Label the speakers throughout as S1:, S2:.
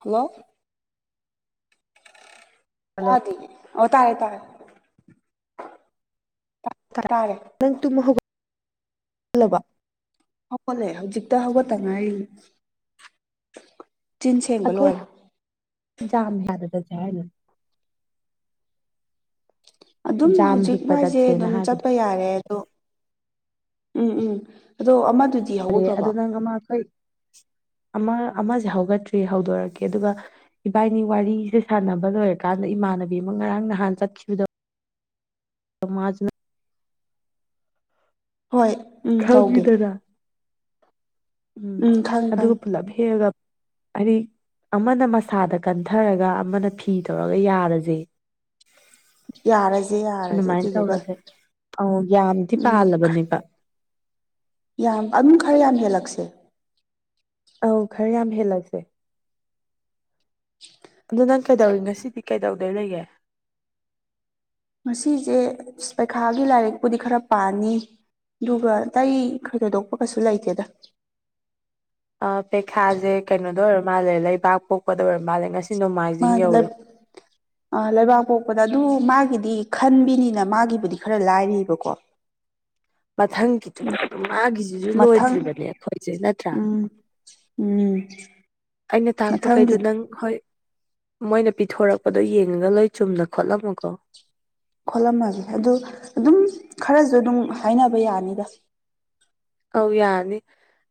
S1: hello
S2: hello
S1: ꯇꯗꯦ ꯑꯣ ꯇꯥꯔꯦ ꯇꯥꯏ ꯇꯥꯔꯦ
S2: ꯅꯪ ꯇꯨꯝꯃ ꯍꯧꯒ ꯂꯕ
S1: ꯍꯧꯒꯠꯂꯛꯦ ꯍꯧꯖꯤꯛꯇ ꯍꯧꯒꯠꯇꯉꯥꯏ ꯆꯤꯟ ꯁꯦꯡꯕ ꯂꯣꯏꯔꯦ
S2: ꯖꯝ [unintelligible] ꯆꯠꯁꯦ ꯍꯥꯏꯅꯤ
S1: ꯑꯗꯨꯝ
S2: ꯖꯥꯝ
S1: ꯍꯧꯖꯤꯛ
S2: ꯍꯦꯛꯄ
S1: ꯋꯥꯏꯁꯦ
S2: ꯆꯠꯁꯦꯅ
S1: ꯑꯗꯨꯝ
S2: ꯍꯥꯏꯕꯗꯣ
S1: ꯆꯠꯄ ꯌꯥꯔꯦ ꯑꯗꯣ ꯎꯝ ꯎꯝ ꯑꯗꯣ ꯑꯃꯗꯨꯗꯤ
S2: ꯐꯔꯦ
S1: ꯍꯧꯒꯠꯈ꯭ꯔꯕꯣ
S2: ꯑꯗꯨ ꯅꯪ ꯑꯃ ꯑꯩꯈꯣꯏ ꯑꯃ ꯑꯃꯁꯦ ꯍꯧꯒꯠꯇ꯭ꯔꯤ ꯍꯧꯗꯣꯔꯛꯀꯦ ꯑꯗꯨꯒ ꯏꯕꯥꯏꯅꯤ ꯋꯥꯔꯤꯁꯦ ꯁꯥꯟꯅꯕ ꯂꯣꯏꯔꯀꯥꯟꯗ ꯏꯃꯥꯟꯅꯕꯤ ꯑꯃ ꯉꯔꯥꯡ ꯅꯍꯥꯟ ꯆꯠꯈꯤꯕꯗꯣ [unintelligible]
S1: ꯍꯣꯏ ꯎꯝ ꯇꯧꯒꯦ
S2: ꯈꯪꯒꯤꯗꯅꯥ ꯎꯝ
S1: ꯈꯪꯉꯦ
S2: ꯑꯗꯨꯒ
S1: ꯈꯪꯉꯦ
S2: ꯄꯨꯂꯞ ꯍꯦꯛꯑꯥꯒ ꯍꯥꯏꯗꯤ ꯑꯃꯅ ꯃꯁꯥꯗ ꯀꯟꯊꯔꯒ ꯑꯃꯅ ꯐꯤ ꯇꯧꯔꯒ ꯌꯥꯔꯁꯦ
S1: ꯌꯥꯔꯁꯦ ꯌꯥꯔꯁꯦ
S2: ꯑꯗꯨꯃꯥꯏꯅ
S1: ꯑꯗꯨꯗꯨꯒ
S2: ꯇꯧꯔꯁꯦ ꯑꯧ ꯌꯥꯝꯗꯤ
S1: ꯎꯝ
S2: ꯄꯥꯜꯂꯕꯅꯦꯕ
S1: ꯌꯥꯝ ꯑꯗꯨꯝ ꯈꯔ ꯌꯥꯝ ꯍꯦꯜꯂꯛꯁꯦ
S2: ꯑꯧ ꯈꯔ ꯌꯥꯝ ꯍꯦꯜꯂꯁꯦ ꯑꯗꯣ ꯅꯪ ꯀꯩꯗꯧꯔꯤ ꯉꯁꯤꯗꯤ ꯀꯩꯗꯧꯗꯣꯏ ꯂꯩꯒꯦ
S1: ꯉꯁꯤꯁꯦ ꯄꯩꯈꯥꯒꯤ ꯂꯥꯏꯔꯤꯛꯄꯨꯗꯤ ꯈꯔ ꯄꯥꯝꯅꯤ ꯑꯗꯨꯒꯇꯩ ꯈꯗꯣꯏꯗꯣꯛꯄ ꯀꯩꯁꯨ ꯂꯩꯇꯦꯗ
S2: ꯑ ꯄꯩꯈꯥꯁꯦ ꯀꯩꯅꯣꯗ ꯑꯣꯏꯔ ꯃꯥꯜꯂꯦ ꯂꯩꯕꯥꯛ ꯄꯣꯛꯄꯗ ꯑꯣꯏꯔ ꯃꯥꯜꯂꯦ ꯉꯁꯤ ꯅꯣꯡꯃꯥꯏꯖꯤꯡ
S1: ꯃꯅꯤ
S2: ꯌꯧꯔꯦ
S1: [unintelligible] ꯑ ꯂꯩꯕꯥꯛ ꯄꯣꯛꯄꯗ ꯑꯗꯨ ꯃꯥꯒꯤꯗꯤ ꯈꯟꯕꯤꯅꯤꯅ ꯃꯥꯒꯤꯕꯨꯗꯤ ꯈꯔ ꯂꯥꯏꯔꯤꯕꯀꯣ [inaudible]
S2: ꯃꯊꯪꯒꯤꯗꯨꯗ
S1: ꯎꯝ
S2: ꯑꯗꯨꯝ ꯃꯥꯒꯤꯁꯤꯁꯨ
S1: ꯃꯊꯪ
S2: ꯂꯣꯏꯗ꯭ꯔꯤꯕꯅꯦ ꯑꯩꯈꯣꯏꯁꯦ ꯅꯠꯇ꯭ꯔꯥ
S1: ꯎꯝ ꯎꯝ
S2: ꯑꯩꯅ
S1: ꯃꯊꯪꯒꯤ
S2: ꯇꯥꯛꯄꯈꯩꯗꯣ ꯅꯪ ꯍꯣꯏ ꯃꯣꯏꯅ ꯄꯤꯊꯣꯔꯛꯄꯗꯣ ꯌꯦꯡꯉꯒ ꯂꯣꯏ ꯆꯨꯝꯅ ꯈꯣꯠꯂꯝꯃꯨꯀꯣ
S1: ꯈꯣꯠꯂꯝꯃꯒꯦ ꯑꯗ ꯑꯗꯨꯝ ꯈꯔꯁꯨ ꯑꯗꯨꯝ ꯍꯥꯏꯅꯕ ꯌꯥꯅꯤꯗ
S2: ꯑꯧ ꯌꯥꯅꯤ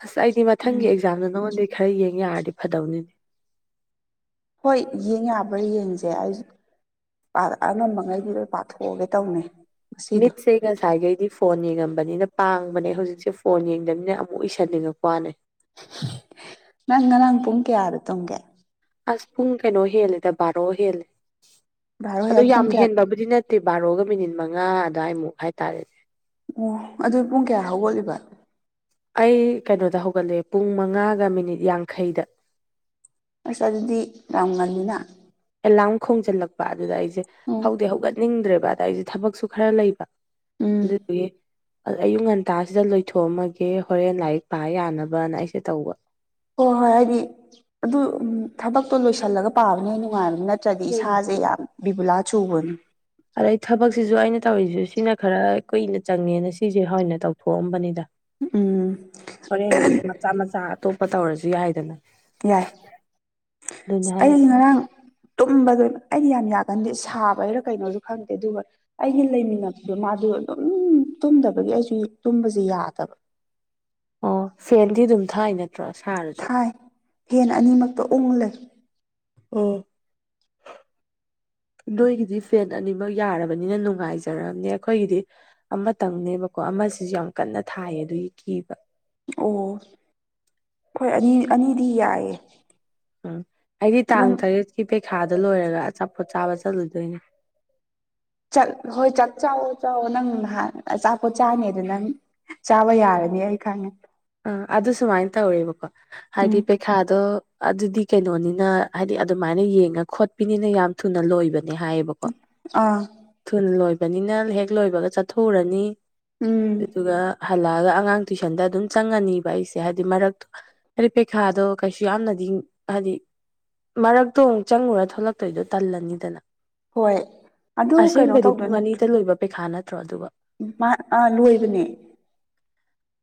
S2: ꯑꯁ ꯑꯩꯗꯤ
S1: ꯎꯝ
S2: ꯃꯊꯪꯒꯤ ꯑꯦꯛꯖꯥꯝꯗ ꯅꯉꯣꯟꯗ ꯈꯔ ꯌꯦꯡ ꯌꯥꯔꯗꯤ ꯐꯗꯧꯅꯤ
S1: ꯍꯣꯏ ꯌꯦꯡ ꯌꯥꯕ꯭ꯔꯥ ꯌꯦꯡꯁꯦ ꯑꯅꯝꯕꯉꯩꯗꯤ ꯂꯣꯏ ꯄꯥꯊꯣꯛꯑꯒꯦ ꯇꯧꯅꯩ
S2: ꯃꯤꯛꯁꯦ ꯉꯁꯥꯏꯈꯩꯗꯤ ꯐꯣꯟ ꯌꯦꯡꯉꯝꯕꯅꯤꯅ ꯄꯥꯡꯕꯅꯦ ꯍꯧꯖꯤꯛꯁꯦ ꯐꯣꯟ ꯌꯦꯡꯗꯕꯅꯤꯅ ꯑꯃꯨꯛ ꯎꯁꯟꯅꯤꯡꯉꯛꯄ ꯋꯥꯅꯦ
S1: ꯅꯪ ꯉꯔꯥꯡ ꯄꯨꯡ ꯀꯌꯥꯗ ꯇꯝꯒꯦ
S2: ꯑꯁ ꯄꯨꯡ ꯀꯩꯅꯣ ꯍꯦꯜꯂꯦꯗ ꯕꯥꯔꯣ ꯍꯦꯜꯂꯦ
S1: ꯚꯥꯔꯣ
S2: ꯑꯗꯣ
S1: ꯍꯦꯛ
S2: ꯌꯥꯝ
S1: ꯄꯨꯡ ꯀꯌꯥ
S2: ꯍꯦꯟꯕꯕꯨꯗꯤ ꯅꯠꯇ ꯅꯠꯇꯦ ꯕꯥꯔꯣꯒ ꯃꯤꯅꯤꯠ ꯃꯉꯥ ꯑꯗꯨꯋꯥꯏꯃꯨꯛ ꯍꯥꯏꯇꯥꯔꯦꯅꯦ
S1: ꯑꯣ ꯑꯗꯨ ꯄꯨꯡ ꯀꯌꯥ ꯍꯧꯒꯠꯂꯤꯕ
S2: ꯑꯩ ꯀꯩꯅꯣꯗ ꯍꯧꯒꯠꯂꯑꯦ ꯄꯨꯡ ꯃꯉꯥꯒ ꯃꯤꯅꯤꯠ ꯌꯥꯡꯈꯩꯗ
S1: ꯑꯁ ꯑꯗꯨꯗꯤ ꯌꯥꯝ ꯉꯜꯂꯤꯅ
S2: ꯑꯦꯂꯥꯔꯝ ꯈꯣꯡꯖꯤꯜꯂꯛꯄ ꯑꯗꯨꯗ ꯑꯩꯁꯦ
S1: ꯎꯝ
S2: ꯍꯧꯗꯤꯤ ꯍꯧꯒꯠꯅꯤꯡꯗ꯭ꯔꯦꯕ ꯑꯗ ꯑꯩꯁꯦ ꯊꯕꯛꯁꯨ ꯈꯔ ꯂꯩꯕ
S1: ꯎꯝ
S2: ꯑꯗꯨꯗꯒꯤ ꯑꯌꯨꯛ ꯉꯟ ꯍꯇꯥꯁꯤꯗ ꯂꯣꯏꯊꯣꯛꯑꯝꯃꯒꯦ ꯍꯣꯔꯦꯟ ꯂꯥꯏꯔꯤꯛ ꯄꯥ ꯌꯥꯅꯕꯅ ꯑꯩꯁꯦ ꯇꯧꯕ
S1: ꯍꯣꯏ ꯍꯣꯏ ꯍꯥꯏꯗꯤ ꯑꯗꯨ ꯊꯕꯛꯇꯣ ꯂꯣꯏꯁꯤꯜꯂꯒ ꯄꯥꯕꯅꯦ ꯅꯨꯡꯉꯥꯏꯕ ꯅꯠꯇꯦ ꯅꯠꯇ꯭ꯔꯗꯤ
S2: ꯎꯝ
S1: ꯏꯁꯥꯁꯦ ꯌꯥꯝ ꯕꯤꯕꯨꯂꯥ ꯆꯨꯕꯅꯤ
S2: ꯑꯗꯩ ꯊꯕꯛꯁꯤꯁꯨ ꯑꯩꯅ ꯇꯧꯔꯤꯁꯤ ꯁꯤꯅ ꯈꯔ ꯀꯨꯏꯅ ꯆꯪꯉꯦꯅ ꯁꯤꯁꯦ ꯍꯅ ꯇꯧꯊꯣꯛꯑꯝꯕꯅꯤꯗ
S1: ꯎꯝ
S2: ꯍꯣꯔꯦꯟ ꯃꯆꯥ ꯃꯆꯥ ꯑꯇꯣꯞꯄ ꯇꯧꯔꯁꯨ ꯌꯥꯏꯗꯅ
S1: ꯌꯥꯏ
S2: ꯑꯗꯨꯅ
S1: ꯑꯩ
S2: ꯍꯥꯏꯁꯦ
S1: ꯉꯔꯥꯡ ꯇꯨꯝꯕꯗ ꯑꯩꯗꯤ ꯌꯥꯝ ꯌꯥꯒꯟꯗꯦ ꯁꯥꯕꯩꯔ ꯀꯩꯅꯣꯁꯨ ꯈꯪꯗꯦ ꯑꯗꯨꯒ ꯑꯩꯒꯤ ꯂꯩꯃꯤꯟꯅꯕꯗꯣ ꯃꯥꯗ ꯑꯗꯨꯝ ꯇꯨꯝꯗꯕꯒꯤ ꯑꯩꯁꯨ ꯇꯨꯝꯕꯁꯦ ꯌꯥꯗꯕ
S2: ꯑꯣ ꯐꯦꯟꯗꯤ ꯑꯗꯨꯝ ꯊꯥꯏ ꯅꯠꯇ꯭ꯔꯣ ꯁꯥꯔꯁꯨ
S1: ꯍꯥꯏ ꯐꯦꯟ ꯑꯅꯤꯃꯛꯇ ꯑꯣꯣꯡ ꯂꯩ
S2: ꯑꯣ
S1: [inaudible]
S2: ꯅꯣꯏꯒꯤꯗꯤ ꯐꯦꯟ ꯑꯅꯤꯃꯛ ꯌꯥꯔꯕꯅꯤꯅ ꯅꯨꯡꯉꯥꯏꯖꯔꯕꯅꯦ ꯑꯩꯈꯣꯏꯒꯤꯗꯤ ꯑꯃꯇꯪꯅꯦꯕꯀꯣ ꯑꯃꯁꯤꯁꯨ ꯌꯥꯝ ꯀꯟꯅ ꯊꯥꯏꯌꯦ ꯑꯗꯨꯒꯤ ꯀꯤꯕ
S1: ꯑꯣ ꯍꯣꯏ ꯑꯅꯤ ꯑꯅꯤꯗꯤ ꯌꯥꯏꯌꯦꯦ
S2: ꯎꯝ ꯑꯩꯗꯤ ꯇꯥꯡ ꯇꯔꯦꯠꯀꯤ ꯄꯩꯈꯥꯗ ꯂꯣꯏꯔꯒ ꯑꯆꯥꯄꯣꯠ ꯆꯥꯕ ꯆꯠꯂꯨꯗꯣꯏꯅꯦ
S1: ꯆꯥꯛ ꯍꯣꯏ ꯆꯥꯛ ꯆꯥꯛꯑꯣꯣ ꯆꯥꯛꯑꯣ ꯅꯪ ꯅꯍꯥꯟ ꯑꯆꯥꯄꯣꯠ ꯆꯥꯅꯦꯗ ꯅꯪ ꯆꯥꯕ ꯌꯥꯔꯅꯤ ꯑꯩ ꯈꯪꯉꯦ
S2: ꯑ ꯑꯗꯨ ꯁꯨꯃꯥꯏꯅ ꯇꯧꯋꯦꯕꯀꯣ
S1: ꯎꯝ
S2: ꯍꯥꯏꯗꯤ ꯈꯥꯗꯣ ꯑꯗꯨꯗꯤ ꯀꯩꯅꯣꯅꯤꯅ ꯍꯥꯏꯗꯤ ꯑꯗꯨꯃꯥꯏꯅ ꯌꯦꯡꯉ ꯈꯣꯠꯄꯤꯅꯤꯅ ꯌꯥꯝ ꯊꯨꯅ ꯂꯣꯏꯕꯅꯦ ꯍꯥꯏꯌꯦꯕ
S1: ꯑꯥ
S2: ꯊꯨꯟ ꯂꯣꯏꯕꯅꯤꯅ ꯍꯦꯛ ꯂꯣꯏꯕꯒ ꯆꯠꯊꯣꯛꯎꯔꯅꯤ
S1: ꯎꯝ
S2: ꯑꯗꯨꯒꯗꯨ ꯍꯜꯂꯛꯑꯒ ꯑꯉꯥꯡ ꯇꯨꯏꯁꯟꯗ ꯑꯗꯨꯝ ꯆꯪꯉꯅꯤꯕ ꯑꯩꯁꯦ ꯍꯥꯏꯗꯤ ꯃꯔꯛꯇꯣ ꯍꯥꯏꯗꯤ ꯄꯩꯈꯥꯗꯣ ꯀꯩꯁꯨ ꯌꯥꯝꯅꯗꯤ ꯍꯥꯏꯗꯤ ꯃꯔꯛꯇꯣ ꯑꯃꯨꯛ ꯆꯪꯉꯨꯔ ꯊꯣꯛꯂꯛꯇꯣꯏꯗꯣ ꯇꯜꯂꯅꯤꯗꯅ
S1: ꯍꯣꯏ ꯑꯗꯨ ꯀꯩꯅꯣ
S2: ꯑꯁꯦꯡꯕꯗꯤ
S1: ꯇꯧꯗꯣꯏ
S2: ꯄꯨꯡ
S1: ꯅꯠꯇ꯭ꯔꯣ
S2: ꯑꯅꯤꯗ ꯂꯣꯏꯕ ꯄꯩꯈꯥ ꯅꯠꯇ꯭ꯔꯣ ꯑꯗꯨꯒ
S1: ꯃꯥ ꯑ ꯂꯣꯏꯕꯅꯦ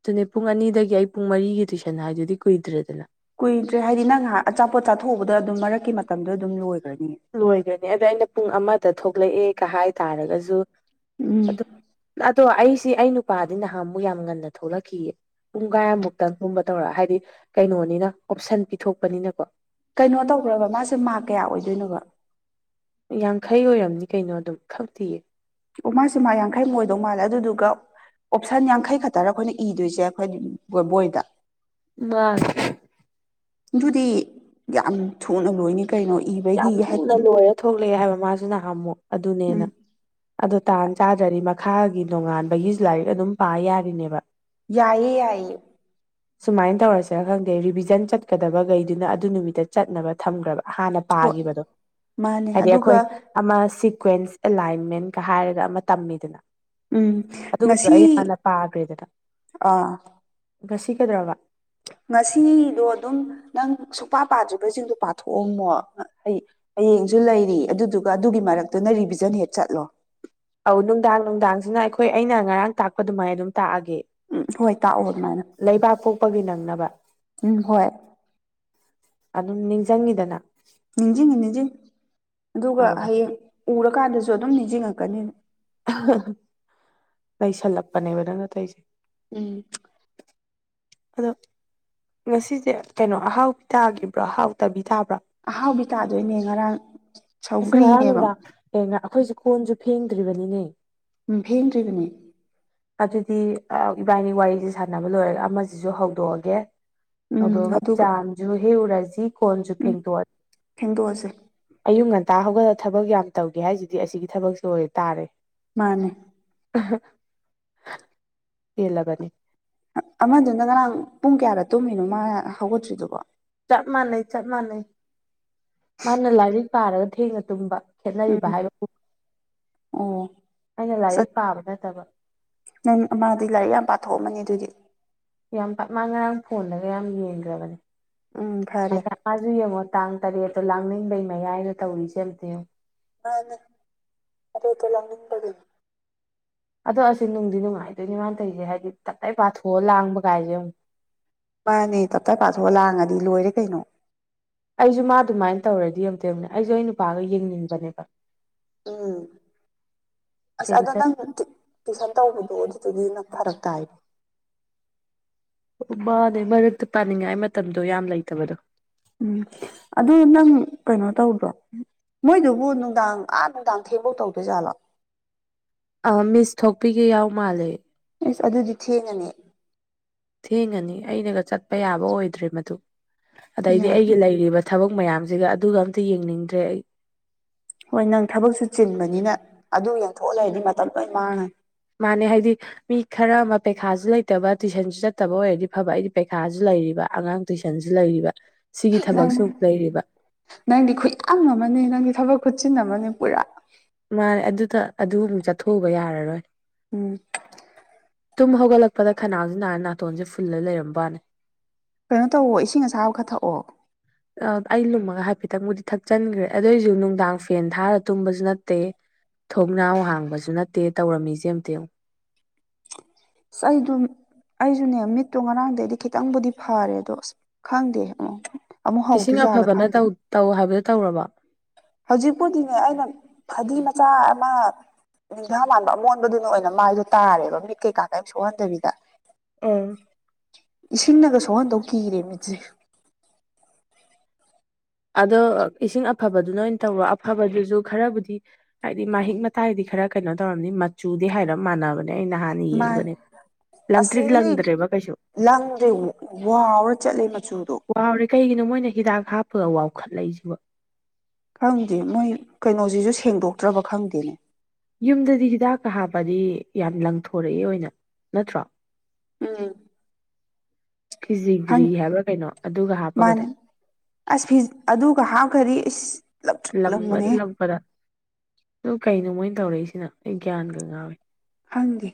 S2: ꯑꯗꯨꯅꯦ ꯄꯨꯡ ꯑꯅꯤꯗꯒꯤ ꯑꯩ ꯄꯨꯡ ꯃꯔꯤꯒꯤ ꯇꯨꯏꯁꯟ ꯍꯥꯏꯗꯨꯗꯤ ꯀꯨꯏꯗ꯭ꯔꯦꯗꯅ
S1: ꯀꯨꯏꯗ꯭ꯔꯦ ꯍꯥꯏꯗꯤ ꯅꯪ ꯉꯍꯥꯛ ꯑꯆꯥꯄꯣꯠ ꯑꯥꯊꯣꯛꯍꯧꯕꯗ ꯑꯗꯨꯝ ꯃꯔꯛꯀꯤ ꯃꯇꯝꯗꯣ ꯑꯗꯨꯝ ꯂꯣꯏꯈ꯭ꯔꯅꯤꯅꯦ
S2: ꯂꯣꯏꯒꯅꯤ ꯑꯗ ꯑꯩꯅ ꯄꯨꯡ ꯑꯃꯗ ꯊꯣꯛꯂꯛꯑꯦ ꯀ ꯍꯥꯏ ꯇꯥꯔꯒꯁꯨ
S1: ꯎꯝ
S2: ꯑꯗꯨ ꯑꯗꯣ ꯑꯩꯁꯤ ꯑꯩ ꯅꯨꯄꯥꯗꯤ ꯅꯍꯥꯟ ꯑꯃꯨꯛ ꯌꯥꯝ ꯉꯟꯅ ꯊꯣꯛꯂꯛꯈꯤꯑ ꯄꯨꯡ ꯀꯥꯏꯃꯨꯛꯇꯪꯒꯨꯝꯕ ꯇꯧꯔ ꯍꯥꯏꯗꯤ ꯀꯩꯅꯣꯅꯤꯅ ꯑꯣꯞꯁꯟ ꯄꯤꯊꯣꯛꯄꯅꯤꯅꯀꯣ
S1: ꯀꯩꯅꯣ ꯇꯧꯈ꯭ꯔꯕ ꯃꯥꯁꯦ ꯃꯥꯔꯛ ꯀꯌꯥ ꯑꯣꯏꯗꯣꯏꯅꯣꯕ
S2: ꯌꯥꯡꯈꯩ ꯑꯣꯏꯔꯝꯅꯤ ꯀꯩꯅꯣ ꯑꯗꯨꯝ ꯈꯪꯛꯇꯤꯌꯦ
S1: ꯑꯣ ꯃꯥꯁꯤꯦ ꯃꯥ ꯌꯥꯡꯈꯩꯃꯨꯛ ꯑꯣꯏꯗꯧ ꯃꯥꯜꯂꯦ ꯑꯗꯨꯗꯨꯒ ꯑꯣꯞꯁꯟ ꯌꯥꯡꯈꯩ ꯈꯛꯇꯔ ꯑꯩꯈꯣꯏꯅ ꯏꯗꯣꯏꯁꯦ ꯑꯩꯈꯣꯏ ꯕꯣꯏ ꯕꯣꯏꯗ
S2: ꯃꯥꯁ
S1: ꯑꯗꯨꯗꯤ ꯌꯥꯝ ꯊꯨꯅ ꯂꯣꯏꯅꯤ ꯀꯩꯅꯣ ꯏ
S2: ꯌꯥꯝ ꯊꯨꯅ ꯂꯣꯏꯔ ꯊꯣꯛꯂꯛꯑꯦ ꯍꯥꯏꯕ ꯃꯥꯁꯨ ꯅꯍꯝꯃꯨ ꯑꯗꯨꯅꯦꯅ
S1: ꯎꯝ
S2: ꯑꯗꯣ ꯇꯥꯟ ꯆꯥꯗꯔꯤ ꯃꯈꯥꯒꯤ ꯅꯣꯡꯉꯥꯟꯕꯒꯤꯁꯨ ꯂꯥꯏꯔꯤꯛ ꯑꯗꯨꯝ ꯄꯥ ꯌꯥꯔꯤꯅꯦꯕ
S1: ꯌꯥꯏꯌꯦ ꯌꯥꯏꯌꯦ
S2: ꯁꯨꯃꯥꯏꯅ ꯇꯧꯔꯁꯔꯥ ꯈꯪꯗꯦ ꯔꯤꯚꯤꯖꯟ ꯆꯠꯀꯗꯕꯈꯩꯗꯨꯅ ꯑꯗꯨ ꯅꯨꯃꯤꯠꯇ ꯆꯠꯅꯕ ꯊꯝꯈ꯭ꯔꯕ ꯍꯥꯟꯅ
S1: ꯍꯣꯏ
S2: ꯄꯥꯈꯤꯕꯗꯣ
S1: ꯃꯥꯅꯦ
S2: ꯍꯥꯏꯗꯤ ꯑꯩꯈꯣꯏ
S1: ꯑꯗꯨꯒ
S2: ꯑꯃ ꯁꯤꯀ꯭ꯋꯦꯟꯁ ꯑꯦꯂꯥꯏꯟꯃꯦꯟꯀ ꯍꯥꯏꯔꯒ ꯑꯃ ꯇꯝꯃꯤꯗꯅ
S1: ꯎꯝ
S2: ꯑꯗꯨꯒꯨꯝꯕꯗꯣ
S1: ꯉꯁꯤ
S2: ꯑꯩ ꯍꯥꯟꯅ ꯄꯥꯈ꯭ꯔꯦꯗꯅ
S1: ꯑ
S2: ꯉꯁꯤ ꯀꯗ꯭ꯔꯕ
S1: ꯉꯁꯤꯗꯣ ꯑꯗꯨꯝ ꯅꯪ ꯁꯨꯄꯥ ꯄꯥꯗ꯭ꯔꯤꯕꯁꯤꯡꯗꯣ ꯄꯥꯊꯣꯛꯑꯝꯃꯣ ꯑꯩ ꯍꯌꯦꯡꯁꯨ ꯂꯩꯔꯤ ꯑꯗꯨꯗꯨꯒ ꯑꯗꯨꯒꯤ ꯃꯔꯛꯇꯨꯅ ꯔꯤꯚꯤꯖꯟ ꯍꯦꯛ ꯆꯠꯂꯣ
S2: ꯑꯧ ꯅꯨꯡꯗꯥꯡ ꯅꯨꯡꯗꯥꯡꯁꯤꯅ ꯑꯩꯈꯣꯏ ꯑꯩꯅ ꯉꯔꯥꯡ ꯇꯥꯛꯄ ꯑꯗꯨꯃꯥꯏꯅ ꯑꯗꯨꯝ ꯇꯥꯛꯑꯒꯦ
S1: ꯎꯝ ꯍꯣꯏ ꯇꯥꯛꯑꯣ ꯑꯗꯨꯃꯥꯏꯅ
S2: ꯂꯩꯕꯥꯛ ꯄꯣꯛꯄꯒꯤ ꯅꯪꯅꯕ
S1: ꯎꯝ ꯍꯣꯏ
S2: ꯑꯗꯨꯝ ꯅꯤꯡꯁꯤꯡꯉꯤꯗꯅ
S1: ꯅꯤꯡꯁꯤꯡꯉꯤ ꯅꯤꯡꯁꯤꯡꯉꯤ ꯑꯗꯨꯒ
S2: ꯑꯥ
S1: ꯍꯌꯦꯡ ꯎꯔꯀꯥꯟꯗꯁꯨ ꯑꯗꯨꯝ ꯅꯤꯡꯁꯤꯡꯉꯛꯀꯅꯤꯅ
S2: ꯂꯩꯁꯜꯂꯛꯄꯅꯦꯕ ꯅꯪꯅꯠꯇꯇꯩꯁꯦ
S1: ꯎꯝ
S2: ꯑꯗꯣ ꯉꯁꯤꯁꯦ ꯀꯩꯅꯣ ꯑꯍꯥꯎꯕꯤ ꯇꯥꯒꯤꯈꯤꯕ꯭ꯔꯣ ꯑꯍꯥꯎꯇꯕꯤ ꯇꯥꯕ꯭ꯔꯥ
S1: ꯑꯍꯥꯎꯕꯤ ꯇꯥꯗꯣꯏꯅꯦ ꯉꯔꯥꯡ
S2: ꯑꯁ ꯉꯔꯥꯡ
S1: ꯁꯧꯒ꯭ꯔꯤꯅꯦꯕ
S2: ꯅꯨꯡꯗꯥꯡ ꯑꯦ ꯉ ꯑꯩꯈꯣꯏꯁꯦ ꯀꯣꯟꯁꯨ ꯐꯦꯡꯗ꯭ꯔꯤꯕꯅꯤꯅꯦ
S1: ꯎꯝ ꯐꯦꯡꯗ꯭ꯔꯤꯗꯨꯅꯦ
S2: ꯑꯗꯨꯗꯤ ꯏꯕꯥꯏꯅꯤ ꯋꯥꯔꯤꯁꯦ ꯁꯥꯟꯅꯕ ꯂꯣꯏꯔꯒ ꯑꯃꯁꯤꯁꯨ ꯍꯧꯗꯣꯛꯑꯒꯦ
S1: ꯎꯝ
S2: ꯑꯗꯨꯣꯛꯑꯒ
S1: ꯑꯗꯨꯒ
S2: ꯆꯥꯟꯁꯨ ꯍꯦꯛ ꯎꯔꯁꯤ ꯀꯣꯟꯁꯨ
S1: ꯎꯝ
S2: ꯐꯦꯡꯗꯣꯛꯑꯅꯤ
S1: ꯐꯦꯡꯗꯣꯛꯑꯁꯦ
S2: ꯑꯌꯨꯛ ꯉꯟꯇꯥ ꯍꯧꯒꯠꯂꯒ ꯊꯕꯛ ꯌꯥꯝ ꯇꯧꯒꯦ ꯍꯥꯏꯁꯤꯗꯤ ꯑꯁꯤꯒꯤ ꯊꯕꯛꯁꯨ ꯑꯣꯏꯇꯥꯥꯔꯦ
S1: ꯃꯥꯅꯦ
S2: ꯑꯦꯂꯒꯅꯤ
S1: ꯑꯃꯗꯨꯅ ꯉꯔꯥꯡ ꯄꯨꯡ ꯀꯌꯥꯗ ꯇꯨꯝꯃꯤꯅꯣ ꯃꯥ ꯍꯧꯒꯠꯇ꯭ꯔꯤꯗꯨꯕꯣ
S2: ꯆꯞ ꯃꯥꯟꯅꯩ ꯆꯞ ꯃꯥꯟꯅꯩ ꯃꯥꯅ ꯂꯥꯏꯔꯤꯛ ꯄꯥꯔꯒ ꯊꯦꯡꯉ ꯇꯨꯝꯕ ꯈꯦꯠꯅꯔꯤꯕ
S1: ꯎꯝ
S2: ꯍꯥꯏꯕꯕꯨ
S1: ꯑꯣ
S2: ꯑꯩꯅ
S1: ꯆꯠ
S2: ꯂꯥꯏꯔꯤꯛ ꯄꯥꯕ ꯅꯠꯇꯕ
S1: ꯅꯪ ꯃꯥꯗꯤ ꯂꯥꯏꯔꯤꯛ ꯌꯥꯝ ꯄꯥꯊꯣꯛꯑꯝꯃꯅꯦ ꯑꯗꯨꯗꯤ
S2: ꯌꯥꯝ ꯄꯞ ꯃꯥ ꯉꯔꯥꯡ ꯐꯣꯟꯗꯒ ꯌꯥꯝ ꯌꯦꯡꯈ꯭ꯔꯕꯅꯦ
S1: ꯎꯝ ꯐꯔꯦ
S2: ꯃꯥꯁꯨ ꯌꯦꯡꯉꯣ ꯇꯥꯡ ꯇꯔꯦꯠꯇꯣ ꯂꯥꯡꯅꯤꯡꯕꯩ ꯃꯌꯥꯏꯗ ꯇꯧꯔꯤꯁꯦꯝꯇꯡꯣ
S1: ꯅ ꯑꯔ ꯑꯣꯏ ꯇꯣꯂꯪ ꯀꯅꯤ
S2: ꯑꯗꯣ ꯑꯁꯤꯁ ꯅꯨꯡꯗꯤ ꯅꯨꯡꯉꯥꯏꯗꯣꯏꯅꯦ ꯃꯥꯥꯟ ꯇꯧꯁꯦ ꯍꯥꯏꯗꯤ ꯇꯠꯂꯩ ꯄꯥꯊꯣꯛꯑ ꯂꯥꯡꯕ ꯀꯥꯏꯁꯦ ꯑꯃꯨꯛ
S1: ꯃꯥꯅꯦ ꯇꯞꯇꯥ ꯄꯥꯊꯣꯛꯑ ꯂꯥꯡꯉꯗꯤ ꯂꯣꯏꯔꯦ ꯀꯩꯅꯣ
S2: ꯑꯩꯁꯨ ꯃꯥ ꯑꯗꯨꯃꯥꯏꯅ ꯇꯧꯔꯗꯤ ꯌꯝꯗꯦꯕꯅꯦ ꯑꯩꯁꯨ ꯑꯩ ꯅꯨꯄꯥꯒ ꯌꯦꯡꯅꯤꯡꯕꯅꯦꯕ
S1: ꯎꯝ ꯑꯁ ꯑꯗ
S2: ꯄꯦꯟꯁꯟ
S1: ꯅꯪꯠꯇꯦ ꯇꯨꯏꯁꯟ ꯇꯧꯕꯗꯣ ꯑꯗꯨꯗꯨꯗꯤ ꯅꯪ ꯐꯔꯛ ꯇꯥꯏꯕ
S2: ꯃꯥꯅꯦ ꯃꯔꯛꯇ ꯄꯥꯅꯤꯡꯉꯥꯏ ꯃꯇꯝꯗꯣ ꯌꯥꯝ ꯂꯩꯇꯕꯗꯣ
S1: ꯎꯝ ꯑꯗꯨ ꯅꯪ ꯀꯩꯅꯣ ꯇꯧꯗ꯭ꯔꯣ ꯃꯣꯏꯗꯨꯕꯨ ꯅꯨꯡꯗꯥꯡ ꯑꯥ ꯅꯨꯡꯗꯥꯡ ꯊꯦꯡꯐꯧ ꯇꯧꯗꯣꯏꯖꯥꯠꯂꯣ
S2: ꯑ ꯃꯤꯁ ꯊꯣꯛꯄꯤꯒꯦ ꯌꯥꯎ ꯃꯥꯜꯂꯦ
S1: ꯑꯁ ꯑꯗꯨꯗꯤ ꯊꯦꯡꯉꯅꯤ
S2: ꯊꯦꯡꯉꯅꯤ ꯑꯩꯅꯒ ꯆꯠꯄ ꯌꯥꯕ ꯑꯣꯏꯗ꯭ꯔꯦ ꯃꯗꯨ ꯑꯗꯩꯗꯤ
S1: ꯌꯥꯗꯦ
S2: ꯑꯩꯒꯤ ꯂꯩꯔꯤꯕ ꯊꯕꯛ ꯃꯌꯥꯝꯁꯤꯒ ꯑꯗꯨꯒ ꯑꯝꯇ ꯌꯦꯡꯅꯤꯡꯗ꯭ꯔꯦ ꯑꯩ
S1: ꯍꯣꯏ ꯅꯪ ꯊꯕꯛꯁꯨ ꯆꯤꯟꯕꯅꯤꯅ ꯑꯗꯨ ꯌꯦꯡꯊꯣꯛꯑ ꯂꯩꯔꯗꯤ ꯃꯇꯝ ꯂꯣꯏꯅ ꯃꯥꯡꯉꯅꯤ
S2: ꯃꯥꯅꯦ ꯍꯥꯏꯗꯤ ꯃꯤ ꯈꯔ ꯑꯃ ꯄꯩꯈꯥꯁꯨ ꯂꯩꯇꯕ ꯇꯨꯏꯁꯟꯁꯨ ꯆꯠꯇꯕ ꯑꯣꯏꯔꯗꯤ ꯐꯕ ꯑꯩꯗꯤ ꯄꯩꯈꯥꯁꯨ ꯂꯩꯔꯤꯕ ꯑꯉꯥꯡ ꯇꯨꯏꯁꯟꯁꯨ ꯂꯩꯔꯤꯕ ꯁꯤꯒꯤ
S1: ꯅꯪ
S2: ꯊꯕꯛꯁꯨ ꯑꯃꯨꯛ ꯂꯩꯔꯤꯕ
S1: ꯅꯪꯗꯤ ꯈꯨꯌꯥꯝ ꯑꯃꯅꯤ ꯅꯪꯗꯤ ꯊꯕꯛ ꯈꯨꯠꯁꯤꯤꯟ ꯑꯃꯅꯤ ꯄꯨꯔꯥ
S2: ꯃꯥꯅꯦ ꯑꯗꯨꯗ ꯑꯗꯨꯃꯨꯛ ꯆꯠꯊꯣꯛꯎꯕ ꯌꯥꯔꯔꯣꯏ
S1: ꯎꯝ
S2: ꯇꯨꯝ ꯍꯧꯒꯠꯂꯛꯄꯗ ꯈꯅꯥꯎꯁꯤ ꯅꯥꯥꯟ ꯅꯥꯇꯣꯟꯁꯦ ꯐꯨꯜꯂ ꯂꯩꯔꯝꯕꯅꯤ
S1: ꯀꯩꯅꯣ ꯇꯧꯋ ꯏꯁꯤꯡ ꯑꯁꯥꯕꯒ ꯊꯛꯑꯣ
S2: ꯑꯩ ꯂꯨꯝꯃꯒ ꯍꯥꯏꯐꯦꯠꯇꯪꯕꯨꯗꯤ ꯊꯛꯆꯟꯈ꯭ꯔꯦ ꯑꯗꯨꯑꯣ ꯑꯣꯏꯔꯁꯨ ꯅꯨꯡꯗꯥꯡ ꯐꯦꯟ ꯊꯥꯔ ꯇꯨꯝꯕꯁꯤꯅ ꯅꯠꯇꯦ ꯊꯣꯛꯣꯡꯅꯥꯎ ꯍꯥꯡꯕꯁꯨ ꯅꯠꯇꯦ ꯇꯧꯔꯝꯃꯤꯁꯦ ꯑꯃꯝꯇꯦꯝꯉ
S1: ꯁ ꯑꯩ ꯑꯗꯨꯝ ꯑꯩꯁꯨꯅꯦ ꯃꯤꯠꯇꯣ ꯉꯔꯥꯡꯗꯩꯗꯤ ꯈꯤꯇꯪꯕꯨꯗꯤ ꯐꯥꯔꯦ ꯑꯗꯣ ꯑꯁ ꯈꯪꯗꯦ ꯑꯃꯨꯛ
S2: ꯏꯁꯤꯡ
S1: ꯍꯧꯗꯣꯏꯖꯥꯠꯂ
S2: ꯑꯐꯕꯅꯧ
S1: ꯈꯪꯗꯦ
S2: ꯇꯧ ꯍꯥꯏꯕꯗꯣ ꯇꯧꯔꯕ
S1: ꯍꯧꯖꯤꯛꯄꯨꯗꯤꯅꯦ ꯑꯩꯅ ꯐꯗꯤ ꯃꯆꯥ ꯑꯃ ꯅꯤꯡꯊꯥ ꯃꯥꯟꯕ ꯑꯃꯣꯟꯕꯗꯨꯅ ꯑꯣꯏꯅ ꯃꯥꯏꯗꯣ ꯇꯥꯔꯦꯕ ꯃꯤꯠ ꯀꯩꯀꯥꯇ ꯁꯣꯛꯍꯟꯗꯕꯤꯗ
S2: ꯑ
S1: ꯏꯁꯤꯡꯅꯒ ꯁꯨꯍꯟꯗꯧ ꯀꯤꯔꯦ ꯃꯤꯠꯁꯦ
S2: ꯑꯗꯣ ꯏꯁꯤꯡ ꯑꯐꯕꯗꯨꯅ ꯑꯣꯏꯅ ꯇꯧꯔꯣ ꯑꯐꯕꯗꯨꯁꯨ ꯈꯔꯕꯨꯗꯤ ꯍꯥꯏꯗꯤ ꯃꯍꯤꯛ ꯃꯇꯥꯏꯗꯤ ꯈꯔ ꯀꯩꯅꯣ ꯇꯧꯔꯝꯅꯤ ꯃꯆꯨꯗꯤ ꯍꯥꯏꯔ ꯃꯥꯟꯅꯕꯅꯦ ꯑꯩ ꯅꯍꯥꯟꯅ ꯌꯦꯡꯕꯅꯦꯕ
S1: ꯑꯁꯤ ꯂꯪꯗ꯭ꯔꯦ ꯋꯥꯎꯔ ꯆꯠꯂꯦ ꯃꯆꯨꯗꯣ
S2: ꯋꯥꯎꯔꯦ ꯀꯩꯒꯤꯅꯣ ꯃꯣꯏꯅ ꯍꯤꯗꯥꯛ ꯍꯥꯞꯄꯒ ꯋꯥꯎꯈꯠꯂꯛꯏꯁꯤꯕ
S1: ꯈꯪꯗꯦ ꯃꯣꯏ ꯀꯩꯅꯣꯁꯤꯁꯨ ꯁꯦꯡꯗꯣꯛꯇ꯭ꯔꯕ ꯈꯪꯗꯦꯅꯦ
S2: ꯌꯨꯝꯗꯗꯤ ꯍꯤꯗꯥꯛꯀ ꯍꯥꯞꯕꯗꯤ ꯌꯥꯝ ꯂꯪꯊꯣꯔꯛꯏꯦ ꯑꯣꯏꯅ ꯅꯠꯇ꯭ꯔꯣ
S1: ꯎꯝ ꯈꯪ
S2: ꯐꯤꯖꯤꯒ꯭ꯔꯤ ꯍꯥꯏꯕ꯭ꯔꯥ ꯀꯩꯅꯣ ꯑꯗꯨꯒ
S1: ꯃꯥꯅꯦ
S2: ꯍꯥꯞꯄꯒꯗ
S1: ꯑꯁ ꯐꯤ ꯑꯗꯨꯒ ꯍꯥꯞꯈꯔꯤ ꯏꯁꯁ
S2: ꯂꯪꯕꯗ ꯂꯄꯗ ꯑꯗꯨ ꯀꯩꯅꯣ ꯃꯣꯏꯅ ꯇꯧꯔꯛꯏꯁꯤꯅ ꯑꯩ ꯒ꯭ꯌꯥꯟꯒ ꯉꯥꯎꯋ
S1: ꯍꯪꯗꯦ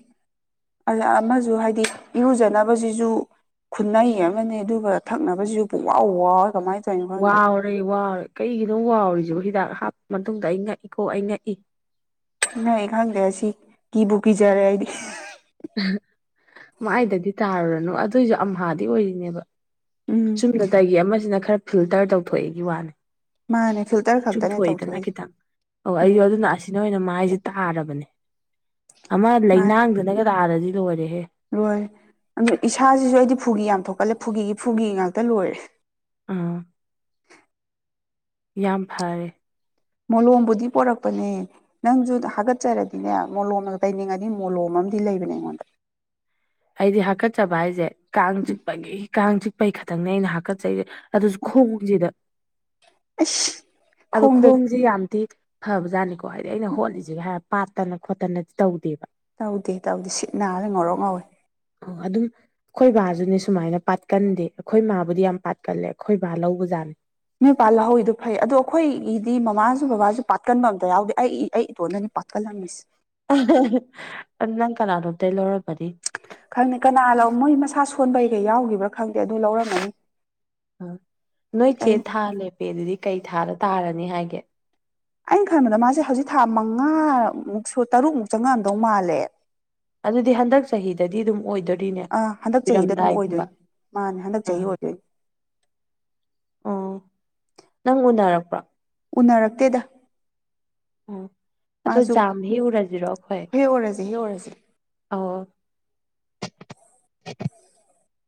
S1: ꯑꯗ ꯑꯃꯁꯨ ꯍꯥꯏꯗꯤ ꯏꯔꯨꯖꯅꯕꯁꯤꯁꯨ ꯈꯨꯟꯟꯅꯩ ꯑꯃꯅꯤ ꯑꯗꯨꯒ ꯊꯛꯅꯕꯁꯤꯁꯨ ꯄꯨꯋꯥꯎ ꯋꯥ ꯀꯃꯥꯏꯅ ꯇꯧ
S2: ꯋꯥꯎꯔꯦ ꯋꯥꯎꯔꯦ ꯀꯩꯒꯤꯅꯣ ꯋꯥꯎꯔꯤꯁꯤꯕꯣ ꯍꯤꯗꯥꯛ ꯍꯥꯞꯄ ꯃꯇꯨꯡꯗ ꯑꯩ ꯉꯛꯏꯈꯣ ꯑꯩ ꯉꯛꯏ
S1: ꯅ ꯑꯩ ꯈꯪꯗ꯭ꯔꯦ ꯑꯁꯤ ꯀꯤꯕꯨ ꯀꯤꯖꯔꯦ ꯑꯩꯗꯤ
S2: ꯃꯥꯏꯗꯗꯤ ꯇꯥꯔꯨꯔꯅꯨ ꯑꯗꯨꯑꯣꯏꯁꯨ ꯑꯝꯍꯥꯗꯤ ꯑꯣꯏꯔꯤꯅꯦꯕ
S1: ꯎꯝ
S2: ꯆꯨꯝꯅꯇꯒꯤ ꯑꯃꯁꯤꯅ ꯈꯔ ꯐꯤꯜꯇꯔ ꯇꯧꯊꯣꯛꯑꯦꯒꯤ ꯋꯥꯅꯤ
S1: ꯃꯥꯅꯦ ꯐꯤꯜꯇꯔ ꯈꯛꯇꯅꯦ ꯇꯧꯊꯣꯛꯏꯁꯦ
S2: ꯑꯣ ꯑꯩꯁꯨ
S1: ꯎꯝ
S2: ꯑꯗꯨꯅ ꯑꯁꯤꯅ ꯑꯣꯏꯅ ꯃꯥꯏꯁꯦ ꯇꯥꯔꯕꯅꯦ ꯑꯃ
S1: ꯃꯥꯅꯦ
S2: ꯂꯩꯅꯥꯡꯗꯅꯒ ꯇꯥꯔꯗꯤ ꯂꯣꯏꯔꯦꯍꯦ
S1: ꯂꯣꯏꯔꯦ ꯑꯗꯨ ꯏꯁꯥꯁꯤꯁꯨ ꯑꯩꯗꯤ ꯐꯨꯒꯤ ꯌꯥꯝ ꯊꯣꯛꯀꯜꯂꯦ ꯐꯨꯒꯤꯒꯤ ꯐꯨꯒꯤ ꯉꯥꯛꯇ ꯂꯣꯏꯔꯦ
S2: ꯎꯝ ꯌꯥꯝ ꯐꯥꯔꯦ
S1: ꯃꯣꯂꯣꯝꯕꯨꯗꯤ ꯄꯣꯔꯛꯄꯅꯦ ꯅꯪꯁꯨ ꯍꯥꯒꯠꯆꯔꯗꯤꯅꯦ ꯃꯣꯂꯣꯝꯅ ꯇꯩꯅꯤꯡꯉꯗꯤ ꯃꯣꯂꯣꯝ ꯑꯃꯗꯤ ꯂꯩꯕꯅꯦ ꯑꯩꯉꯣꯟꯗ
S2: ꯑꯩꯗꯤ ꯍꯥꯒꯠꯆꯕ ꯍꯥꯏꯁꯦ ꯀꯥꯡ ꯆꯤꯛꯄꯒꯤ ꯀꯥꯡ ꯆꯤꯛꯄꯒꯤ ꯈꯛꯇꯪꯅꯤ ꯑꯩꯅ ꯍꯥꯀꯠꯆꯩꯁꯦ ꯑꯗꯨꯁꯨ ꯈꯣꯡꯁꯤꯗ
S1: ꯑꯩꯁ
S2: ꯑꯗꯨ
S1: ꯈꯣꯡꯗ
S2: ꯈꯣꯡ ꯑꯩꯁꯦ ꯌꯥꯝꯗꯤ ꯐꯕ ꯖꯥꯠꯅꯤꯀꯣ ꯍꯥꯏꯗꯤ ꯑꯩꯅ ꯍꯣꯠꯂꯤꯁꯤꯒ ꯍꯥꯏ ꯄꯥꯠꯇꯅ ꯈꯣꯠꯇꯅꯗꯤ ꯇꯧꯗꯦꯕ
S1: ꯇꯧꯗꯦ ꯇꯧꯗꯦ ꯁꯤꯠ ꯅꯥꯗ ꯉꯧꯔꯣꯛ ꯉꯧꯋꯤ
S2: ꯑꯣ ꯑꯗꯨꯝ ꯑꯩꯈꯣꯏ ꯕꯥꯁꯨꯅꯦ ꯁꯨꯃꯥꯏꯅ ꯄꯥꯠꯀꯟꯗꯦ ꯑꯩꯈꯣꯏ ꯃꯥꯕꯨꯗꯤ ꯌꯥꯝ ꯄꯥꯠꯀꯜꯂꯦ ꯑꯩꯈꯣꯏ ꯕꯥ ꯂꯧꯕꯖꯥꯠꯅꯤ
S1: ꯅꯣꯏꯄꯥꯥꯟ ꯍꯧꯏꯗꯨꯣ ꯐꯩ ꯑꯗꯣ ꯑꯩꯈꯣꯏꯒꯤꯗꯤ ꯃꯃꯥꯁꯨ ꯕꯕꯥꯁꯨ ꯄꯥꯠꯀꯟꯕ ꯑꯃꯇ ꯌꯥꯎꯗꯦ ꯑꯩ ꯑꯩ ꯏꯇꯣꯟꯗꯅꯤ ꯄꯊꯂꯝꯃꯤꯁ
S2: ꯑꯍꯥ ꯑꯍꯥ ꯅꯪ ꯀꯅꯥꯅꯣꯗ ꯂꯧꯔꯕꯅꯤ
S1: ꯈꯪꯗꯦ ꯀꯅꯥ ꯂꯩ ꯃꯣꯏ ꯃꯁꯥ ꯁꯣꯟꯕꯩꯒ ꯌꯥꯎꯈꯤꯕ꯭ꯔꯥ ꯈꯪꯗꯦ ꯑꯗꯨ ꯂꯧꯔꯝꯃꯅꯤ
S2: ꯎꯝ ꯅꯣꯏ ꯆꯦ
S1: ꯑꯩ
S2: ꯊꯥ ꯂꯦꯞꯄꯦ ꯑꯗꯨꯗꯤ ꯀꯩ ꯊꯥꯗ ꯇꯥꯔꯅꯤ ꯍꯥꯏꯒꯦ
S1: ꯑꯩꯅ ꯈꯟꯕꯗ ꯃꯥꯁꯦ ꯍꯧꯖꯤꯛ ꯊꯥ ꯃꯉꯥꯃꯨꯛꯁꯨ ꯇꯔꯨꯛꯃꯨꯛ ꯆꯪꯉꯛꯑꯝꯗꯧ ꯃꯥꯜꯂꯦ
S2: ꯑꯗꯨꯗꯤ ꯍꯟꯗꯛ ꯆꯍꯤꯗꯗꯤ ꯑꯗꯨꯝ ꯑꯣꯏꯗꯣꯔꯤꯅꯦ
S1: ꯑꯥ ꯍꯟꯗꯛ ꯆꯍꯤꯗ ꯑꯗꯨꯝ ꯑꯣꯏꯗꯣꯏꯅꯤ
S2: ꯄꯤꯔꯝꯗꯥꯏꯒꯨꯝꯕ
S1: ꯃꯥꯅꯦ ꯍꯥꯟꯗꯛ ꯆꯍꯤ
S2: ꯑꯥ
S1: ꯑꯣꯏꯗꯣꯏꯅꯦ
S2: ꯑꯣ ꯅꯪ ꯎꯅꯔꯛꯄ꯭ꯔ
S1: ꯎꯅꯔꯛꯇꯦꯗ
S2: ꯑꯣ ꯑꯗꯣ
S1: ꯃꯥꯁꯨ
S2: ꯖꯥꯝ ꯍꯦꯛꯎꯔꯁꯤꯔꯣ ꯑꯩꯈꯣꯏ
S1: ꯍꯦꯛ ꯑꯣꯏꯔꯁꯦ ꯍꯦꯛ ꯑꯣꯏꯔꯁꯦ
S2: ꯑꯣ
S1: [unintelligible]